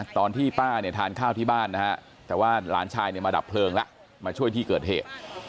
ตอนที่ป้าเนี่ยทานข้าวที่บ้านนะฮะแต่ว่าหลานชายเนี่ยมาดับเพลิงแล้วมาช่วยที่เกิดเหตุ